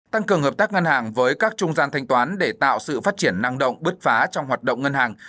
tăng cường hợp tác ngân hàng với các trung gian thanh toán để tạo sự phát triển năng động bứt phá trong hoạt động ngân hàng